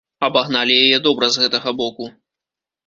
Абагналі яе добра з гэтага боку.